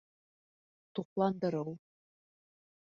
Туҡландырыу